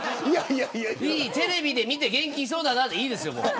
テレビで見て元気そうだなでいいです。